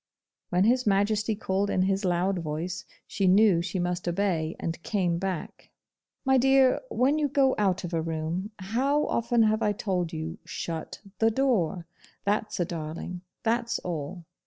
When His Majesty called in his LOUD voice, she knew she must obey, and came back. 'My dear, when you go out of a room, how often have I told you, SHUT THE DOOR. That's a darling. That's all.